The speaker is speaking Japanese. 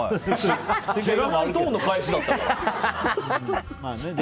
知らないトーンの返しだったから。